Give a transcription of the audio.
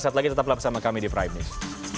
saat lagi tetap lagi bersama kami di prime news